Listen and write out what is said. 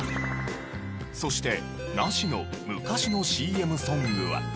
そして「なし」の昔のＣＭソングは。